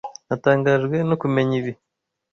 Natangajwe no kumenya ibi.